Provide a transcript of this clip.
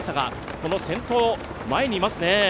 この先頭、前にいますね。